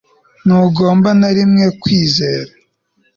ntugomba na rimwe kwizera